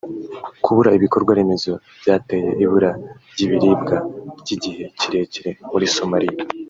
kubura ibikorwa remezo byateye ibura ry’ibiribwa ry’igihe kirekire muri Somalia